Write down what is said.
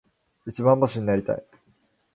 一番星になりたい。